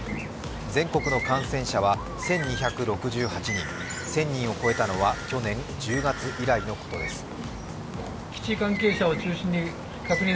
全国の感染者は１２６８人、１０００人を超えたのは去年１０月以来のことです。